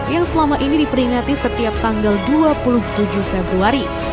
yang selama ini diperingati setiap tanggal dua puluh tujuh februari